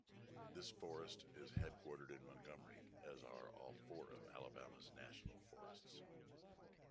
This forest is headquartered in Montgomery, as are all four of Alabama's National Forests.